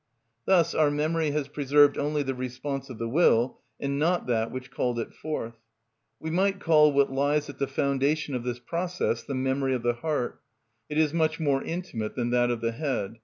Thus our memory has preserved only the response of the will, and not that which called it forth. We might call what lies at the foundation of this process the memory of the heart; it is much more intimate than that of the head.